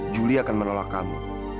juli akan menolak kamu